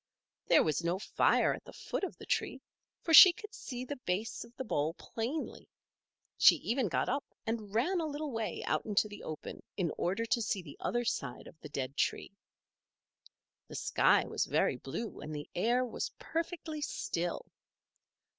There was no fire at the foot of the tree, for she could see the base of the bole plainly. She even got up and ran a little way out into the open in order to see the other side of the dead tree. The sky was very blue, and the air was perfectly still.